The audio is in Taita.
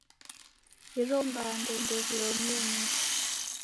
Iro mbande nderiomie nicha.